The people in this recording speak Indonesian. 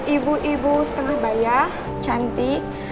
ibu ibu setengah bayar cantik